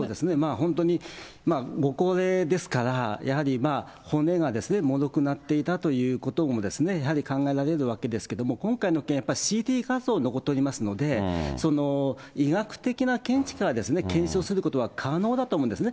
本当にご高齢ですから、やはり骨がもろくなっていたということもやはり考えられるわけですけれども、今回の件、やっぱりＣＴ画像が残っておりますので、その医学的な見地から検証することは可能だと思うんですね。